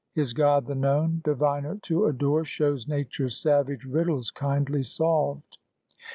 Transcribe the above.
His God the Known, diviner to adore, Shows Nature's savage riddles kindly solved.